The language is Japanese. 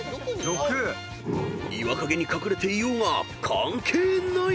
［岩陰に隠れていようが関係ない］